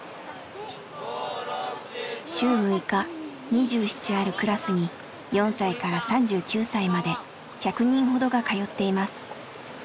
週６日２７あるクラスに４歳から３９歳まで１００人ほどが通っています。